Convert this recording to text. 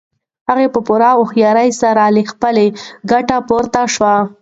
هغه په پوره هوښیارۍ سره له خپل کټه پورته شو.